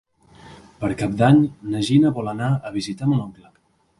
Per Cap d'Any na Gina vol anar a visitar mon oncle.